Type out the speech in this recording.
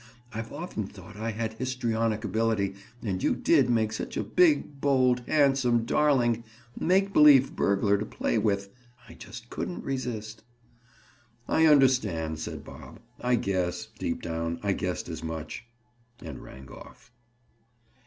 I've often thought I had 'histrionic ability' and you did make such a big, bold, handsome, darling make believe burglar to play with, I just couldn't resist." "I understand!" said Bob. "I guess—deep down—I guessed as much." And rang off.